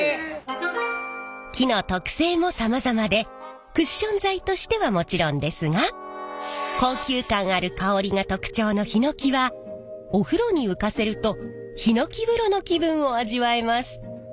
木の特性もさまざまでクッション材としてはもちろんですが高級感ある香りが特徴のヒノキはお風呂に浮かせるとヒノキ風呂の気分を味わえます。